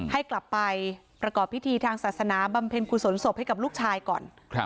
ให้กลับไปประกอบพิธีทางศาสนาบำเพ็ญกุศลศพให้กับลูกชายก่อน